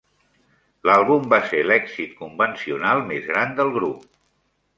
L'àlbum va ser l'èxit convencional més gran del grup.